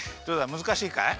むずかしいかい？